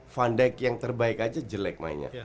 fun dijk yang terbaik aja jelek mainnya